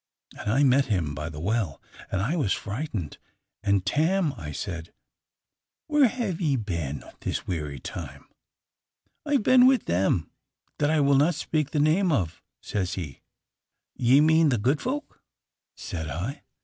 And I met him by the well, and I was frightened; and 'Tam,' I said, 'where have ye been this weary time?' 'I have been with them that I will not speak the name of,' says he. 'Ye mean the good folk,' said I.